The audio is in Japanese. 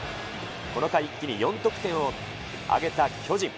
この回一気に４得点を挙げた巨人。